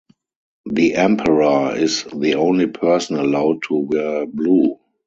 The Emperor is the only person allowed to wear blue.